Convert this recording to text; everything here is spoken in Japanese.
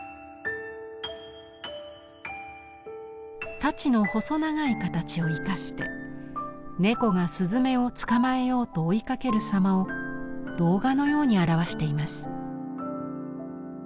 太刀の細長い形を生かして猫がスズメを捕まえようと追いかける様を動画のように表しています。